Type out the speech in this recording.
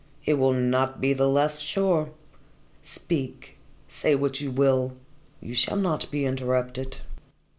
It will not be the less sure. Speak say what you will. You shall not be interrupted."